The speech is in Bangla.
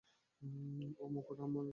ও মুকুট আমার!